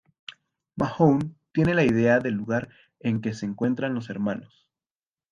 Mahone tiene una idea del lugar en que se encuentran los hermanos.